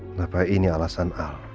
kenapa ini alasan al